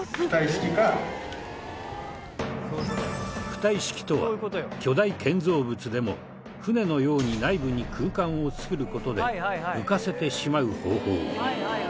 浮体式とは巨大建造物でも船のように内部に空間を造る事で浮かせてしまう工法。